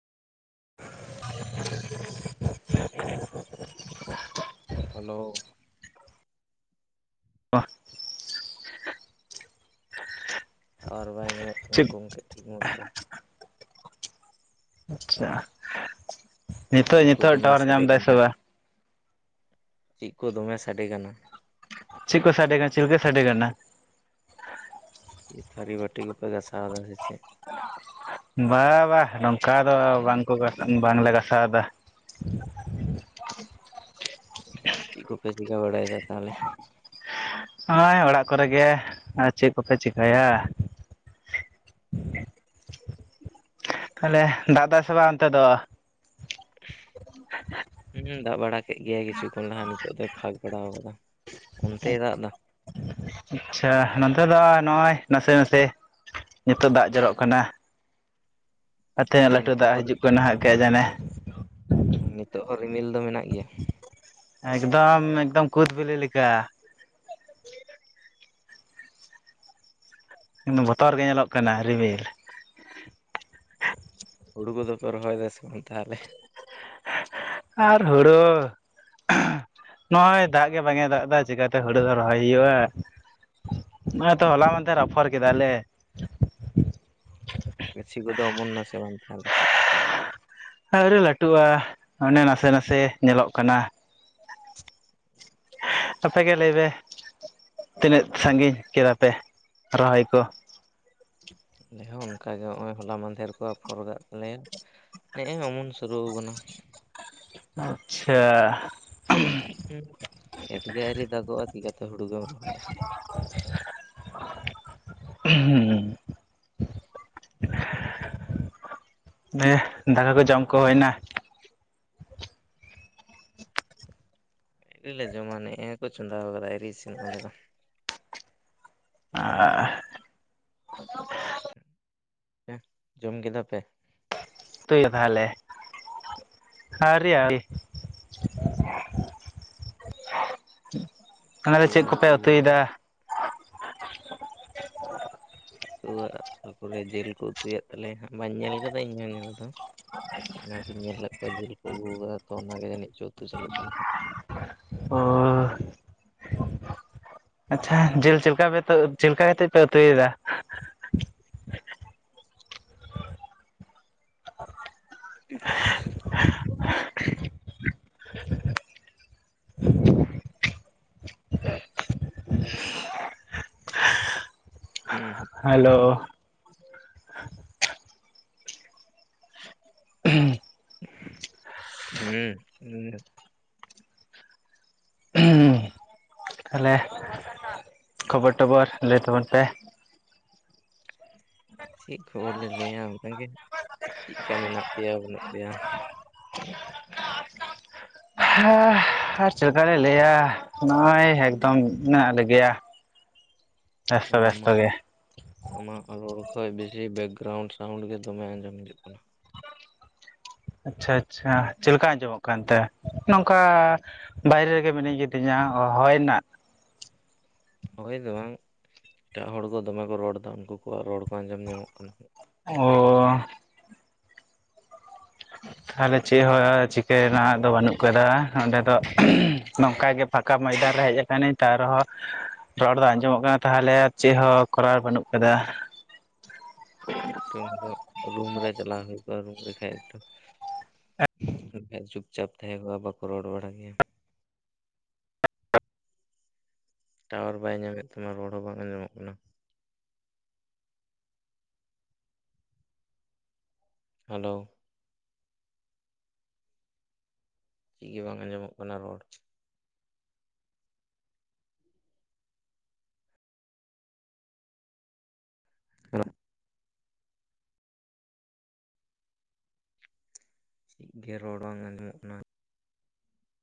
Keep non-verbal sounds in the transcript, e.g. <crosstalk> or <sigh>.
<inaudible> Hello ᱚ tower ᱵᱟᱭ ᱧᱟᱢᱮᱫ ᱛᱟᱢᱟ ᱪᱮᱫ ᱜᱚᱢᱠᱮ ᱴᱷᱤᱠ ᱢᱚᱛᱚ ᱟᱪᱪᱷᱟ ᱱᱤᱛᱳ ᱪᱮᱫ ᱠᱚ ᱱᱤᱛᱳᱜ ᱫᱚᱢᱮ ᱴᱟᱣᱟᱨ ᱥᱟᱰᱮ ᱧᱟᱢᱫᱟᱭ ᱥᱮ ᱠᱟᱱᱟ ᱵᱟᱝ ᱪᱮᱫ ᱠᱚ ᱫᱚᱢᱮ ᱥᱟᱰᱮ ᱠᱟᱱᱟ ᱪᱮᱫ ᱠᱚ ᱥᱟᱰᱮ ᱠᱟᱱᱟ ᱪᱮᱫ ᱞᱮᱠᱟ ᱥᱟᱰᱮ ᱠᱟᱱᱟ ᱛᱷᱟᱹᱨᱤ ᱵᱟᱴᱤ ᱠᱚᱯᱮ ᱜᱟᱥᱟᱣ ᱫᱟ ᱥᱮ ᱪᱮᱫ ᱵᱟ ᱵᱟᱝ ᱱᱚᱝᱠᱟ ᱫᱚ ᱵᱟᱝᱠᱚ ᱵᱟᱝᱞᱮ ᱜᱟᱥᱟᱣ ᱮᱫᱟ ᱪᱮᱫ ᱠᱚᱯᱮ ᱪᱤᱠᱟᱹ ᱵᱟᱲᱟᱭᱮᱫᱟ ᱛᱟᱦᱚᱞᱮ ᱱᱚᱜᱚᱭ ᱚᱲᱟᱜ ᱠᱚᱨᱮᱜ ᱜᱮ ᱟᱨ ᱪᱮᱫ ᱠᱚᱯᱮ ᱪᱤᱠᱟᱭᱟ ᱦ <unintelligible> ᱛᱟᱦᱞᱮ ᱫᱟᱜ ᱫᱟᱭ ᱥᱮ ᱵᱟᱝ ᱚᱱᱛᱮ ᱫᱚ <inaudible> ᱦᱩᱸ ᱫᱟᱜ ᱵᱟᱲᱟ ᱠᱮᱫ ᱜᱮᱭᱟᱭ ᱠᱤᱪᱷᱩ ᱠᱷᱚᱱ ᱞᱟᱦᱟ ᱱᱤᱛᱚᱜ ᱫᱚᱭ ᱯᱷᱟᱸᱠ ᱵᱟᱲᱟ ᱟᱠᱟᱫᱟ ᱚᱱᱛᱮᱭ ᱫᱟᱜ ᱮᱫᱟ ᱟᱪᱪᱷᱟ ᱱᱚᱛᱮ ᱫᱚ ᱱᱚᱜᱼᱚᱭ ᱱᱟᱥᱮ ᱱᱟᱥᱮ ᱱᱤᱛᱳᱜ ᱫᱟᱜ ᱡᱚᱨᱚᱜ ᱠᱟᱱᱟ ᱟᱛᱮ ᱞᱟᱹᱴᱩ ᱱᱤᱛᱚᱜ ᱫᱟᱜ ᱦᱚᱸ ᱦᱤᱡᱩᱜ ᱠᱟᱱᱟ ᱱᱟᱦᱟᱜ ᱠᱮ ᱡᱟᱱᱮ ᱱᱤᱛᱚᱜ ᱦᱚ ᱨᱤᱢᱤᱞ ᱫᱚ ᱢᱮᱱᱟᱜ ᱜᱮᱭᱟ ᱮᱠᱫᱚᱢ ᱮᱠᱫᱚᱢ ᱠᱩᱫᱽ ᱵᱤᱞᱤ ᱞᱮᱠᱟ ᱵᱚᱛᱚᱨ ᱜᱮ ᱧᱮᱞᱚᱜ ᱠᱟᱱᱟ ᱨᱤᱵᱤᱞ ᱦᱩᱲᱩ ᱠᱚᱫᱚ ᱯᱮ ᱨᱚᱦᱚᱭ ᱫᱟ ᱥᱮᱵᱟᱝ ᱛᱟᱦᱚᱞᱮ ᱟᱨ ᱦᱩᱲᱩ ᱱᱚᱜᱼᱚᱭ ᱫᱟᱜ ᱜᱮ ᱵᱟᱝ ᱮ ᱫᱟᱜ ᱮᱫᱟ ᱪᱮᱠᱟᱛᱮ ᱦᱩᱲᱩ ᱫᱚ ᱨᱚᱦᱚᱭ ᱦᱩᱭᱩᱜᱼᱟ? ᱱᱚᱜᱼᱚᱭ ᱛᱚ ᱦᱚᱞᱟ ᱢᱟᱸᱫᱷᱮᱨ ᱟᱯᱷᱚᱨ ᱠᱮᱫᱟ ᱞᱮ ᱜᱟᱪᱷᱤ ᱠᱚᱫᱚ ᱚᱢᱚᱱᱱᱟ ᱥᱮ ᱵᱟᱝ ᱛᱟᱦᱚᱞᱮ ᱟᱹᱣᱨᱤ ᱞᱟᱹᱴᱩᱜᱼᱟ ᱚᱱᱮ ᱱᱟᱥᱮ ᱱᱟᱥᱮ ᱧᱮᱞᱚᱜ ᱠᱟᱱᱟ ᱾ ᱟᱯᱮᱜᱮ ᱞᱟᱹᱭᱯᱮ ᱛᱤᱱᱟᱹᱜ ᱥᱟᱺᱜᱤᱧ ᱠᱮᱫᱟ ᱯᱮ ᱨᱚᱦᱚᱭ ᱠᱚ? ᱟᱞᱮ ᱦᱚᱸ ᱚᱱᱠᱟᱜᱮ ᱦᱚᱸᱜᱼᱚᱭ ᱦᱚᱞᱟ ᱢᱟᱫᱷᱮᱨ ᱠᱚ ᱟᱯᱷᱚᱨ ᱠᱟᱜ ᱛᱟᱞᱮᱭᱟ ᱱᱮᱜᱼᱮ ᱚᱢᱚᱱ ᱥᱩᱨᱩᱣ ᱠᱟᱱᱟ ᱟᱪᱪᱷᱟ ᱦᱩᱸ ᱠᱷᱮᱛ ᱜᱮ ᱟᱹᱣᱨᱤ ᱫᱟᱜᱚᱜᱼᱟ ᱪᱤᱠᱟᱛᱮ ᱦᱩᱲᱩ ᱜᱮᱢ ᱨᱚᱦᱚᱭᱟ? ᱦᱩᱸ ᱢᱮ ᱫᱟᱠᱟ ᱠᱩ ᱡᱚᱢ ᱦᱩᱭᱱᱟ ᱟᱹᱣᱨᱤ ᱞᱮ ᱡᱚᱢᱟ ᱱᱮᱜᱼᱮ ᱠᱚ ᱪᱚᱸᱫᱟᱣ ᱠᱟᱫᱟ ᱟᱹᱣᱨᱤ ᱤᱥᱤᱱᱚᱜᱼᱟ ᱫᱟᱠᱟ ᱟ-ᱟ-ᱟᱦ ᱦᱮᱸ ᱡᱚᱢ ᱠᱮᱫᱟ ᱯᱮ ᱩᱛᱩ ᱛᱟᱦᱚᱞᱮ ᱟᱹᱣᱨᱤ ᱟᱹᱣᱨᱤ <inaudible> ᱚᱱᱟ ᱨᱮ ᱩᱛᱩ ᱪᱮᱫ ᱠᱚᱯᱮ ᱩᱛᱩᱭᱮᱫᱟ ᱠᱩᱣᱟᱜ ᱥᱩᱠᱨᱤ ᱡᱤᱞ ᱠᱩ ᱩᱛᱩᱭᱮᱫ ᱛᱟᱞᱮᱭᱟ ᱦᱟᱸᱜ ᱵᱟᱹᱧ ᱧᱮᱞ ᱠᱟᱫᱟ ᱤᱧ ᱦᱚᱸ ᱧᱮᱞ ᱫᱚ ᱚᱱᱟᱜᱤᱧ ᱧᱮᱞ ᱞᱮᱫ ᱠᱚᱣᱟ ᱡᱤᱞ ᱠᱚ ᱟᱹᱜᱩᱣ ᱠᱟᱫᱟ ᱛᱚ ᱚᱱᱟᱜᱮ ᱡᱟᱹᱱᱤᱡ ᱪᱚ ᱩᱛᱩ ᱪᱟᱹᱞᱩᱜ ᱠᱟᱱᱟ ᱦᱟᱸᱜ ᱦᱚᱻ ᱟᱪᱷᱟ ᱡᱤᱞ ᱪᱮᱫ ᱞᱮᱠᱟ ᱯᱮ ᱩᱛᱩ ᱪᱮᱫ ᱞᱮᱠᱟ ᱠᱟᱛᱮᱫ ᱯᱮ ᱩᱛᱩᱭᱮᱫᱟ? ᱩᱸ ᱦᱩᱸ ᱦᱮᱞᱳ <inaudible> ᱦᱩᱸ ᱩᱸᱜ ᱛᱟᱦᱚᱞᱮ ᱠᱷᱚᱵᱚᱨ ᱴᱚᱵᱚᱨ ᱞᱟᱹᱭ ᱛᱟᱵᱚᱱ ᱯᱮ ᱪᱮᱜ ᱠᱷᱚᱵᱚᱨ ᱞᱮ ᱞᱟᱹᱭᱟ ᱚᱱᱟᱜᱮ ᱪᱮᱫᱠᱟ ᱢᱮᱱᱟᱜ ᱯᱮᱭᱟ ᱵᱟᱹᱱᱩᱜ ᱯᱮᱭᱟ? ᱦᱮᱻ ᱟᱨ ᱪᱮᱫᱠᱟ ᱞᱮ ᱞᱟᱹᱭᱟ ᱱᱚᱜᱼᱚᱭ ᱮᱠᱫᱚᱢ ᱢᱮᱱᱟᱜ ᱞᱮ ᱜᱮᱭᱟ᱾ ᱦᱮ ᱟᱢᱟᱜ ᱫᱚ ᱟᱢᱟᱜ ᱨᱚᱲ ᱠᱷᱚᱡ ᱵᱮᱥᱤ ᱵᱮᱠᱜᱨᱟᱣᱩᱱᱰ ᱥᱟᱣᱩᱱᱰ ᱜᱮ ᱫᱚᱢᱮ ᱟᱸᱡᱚᱢ ᱦᱤᱡᱩᱜ ᱠᱟᱱᱟ᱾ ᱟᱪᱷᱟ ᱟᱪᱷᱟ ᱪᱮᱫ ᱞᱮᱠᱟ ᱟᱸᱡᱚᱢᱚᱜ ᱠᱟᱱᱛᱮ ᱱᱚᱝᱠᱟ ᱵᱟᱭᱨᱮ ᱨᱮᱜᱮ ᱢᱤᱱᱟᱹᱧ ᱠᱤᱫᱤᱧᱟ ᱦᱚᱭ ᱨᱮᱱᱟᱜ ᱦᱳᱭ ᱫᱚ ᱵᱟᱝ ᱮᱴᱟᱜ ᱦᱚᱲ ᱠᱚ ᱫᱚᱢᱮ ᱠᱚ ᱨᱚᱲ ᱮᱫᱟ ᱩᱱᱠᱩ ᱠᱩᱣᱟᱜ ᱨᱚᱲ ᱠᱚ ᱟᱸᱡᱚᱢ ᱧᱟᱢᱚᱜ ᱠᱟᱱᱟ ᱾ ᱚᱻ ᱛᱟᱦᱚᱞᱮ ᱪᱮᱫ ᱦᱚᱸ ᱪᱤᱠᱟᱹ ᱨᱮᱱᱟᱜ ᱦᱚ ᱫᱚ ᱵᱟᱹᱱᱩᱜ? ᱠᱟᱫᱟ ᱱᱚᱸᱰᱮ ᱫᱚ ᱱᱚᱝᱠᱟ ᱜᱮ ᱯᱷᱟᱸᱠᱟ ᱢᱚᱭᱫᱟᱱ ᱨᱮ ᱦᱮᱡ ᱟᱠᱟᱱᱟᱹᱧ ᱛᱟᱣ ᱨᱮᱦᱚ ᱨᱚᱲ ᱫᱚ ᱟᱸᱡᱚᱢᱚᱜ ᱠᱟᱱᱟ ᱛᱟᱦᱚᱞᱮ ᱪᱮᱫ ᱦᱚᱸ ᱠᱚᱨᱟᱣ ᱵᱟᱹᱱᱩᱜ ᱠᱟᱫᱟ ᱨᱩᱢ ᱫᱚ ᱨᱩᱢ ᱨᱮ ᱪᱟᱞᱟᱣ ᱦᱩᱭᱩᱜᱼᱟ ᱨᱩᱢ ᱨᱮᱠᱷᱟᱡ ᱮᱠᱴᱷᱩ ᱦᱮᱸᱠᱷᱟᱡ ᱪᱩᱯᱪᱟᱯ ᱛᱟᱦᱮᱸ ᱠᱚᱜᱼᱟ ᱵᱟᱠᱚ ᱨᱚᱲ ᱵᱟᱲᱟᱭ ᱜᱮᱭᱟ ᱴᱟᱣᱟᱨ ᱵᱟᱭ ᱧᱟᱢᱮᱫ ᱛᱟᱢᱟ ᱨᱚᱲ ᱦᱚᱸ ᱵᱟᱝ ᱟᱸᱡᱚᱢᱚᱜ ᱠᱟᱱᱟ ᱾ ᱦᱮᱞᱳ ᱪᱮᱜ ᱜᱮ ᱵᱟᱝ ᱟᱸᱡᱚᱢᱚᱜ ᱠᱟᱱᱟ ᱨᱚᱲ <inaudible> ᱪᱮᱫ ᱜᱮ ᱨᱚᱲ ᱵᱟᱝ ᱟᱸᱡᱚᱢ ᱚᱜ ᱠᱟᱱᱟ